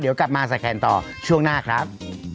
เดี๋ยวกลับมาใส่แขนต่อช่วงหน้าครับ